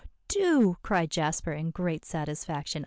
] "Do," cried Jasper in great satisfaction.